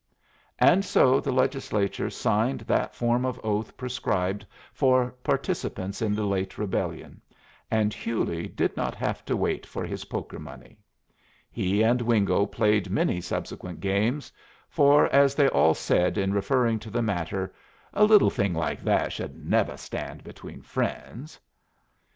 And so the Legislature signed that form of oath prescribed for participants in the late Rebellion, and Hewley did not have to wait for his poker money. He and Wingo played many subsequent games; for, as they all said in referring to the matter, "A little thing like that should nevuh stand between friends."